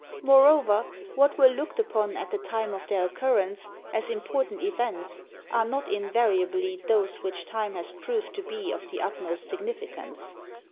Moreover, what were looked upon at the time of their occurrence as important events are not invariably those which time has proved to be of the utmost significance.